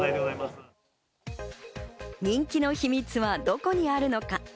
人気の秘密はどこにあるのか。